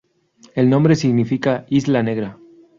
El nombre significa "Isla Negra".